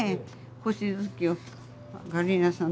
星月夜ガリーナさん